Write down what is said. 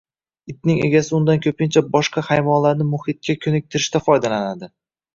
Itning egasi undan ko‘pincha boshqa hayvonlarni muhitga ko‘niktirishda foydalanadi